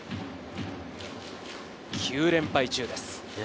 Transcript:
９連敗中です。